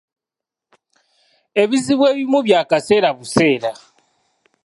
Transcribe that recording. Ebizibu ebimu bya kaseera buseera.